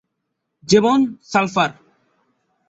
যেমন: সালফার।